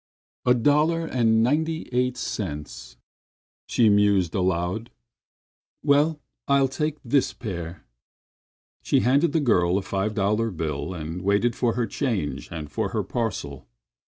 "A dollar and ninety eight cents," she mused aloud. "Well, I'll take this pair." She handed the girl a five dollar bill and waited for her change and for her parcel.